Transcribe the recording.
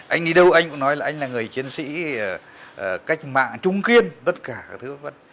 anh đi đâu anh cũng nói là anh là người chiến sĩ cách mạng trung kiên tất cả các thứ vật vật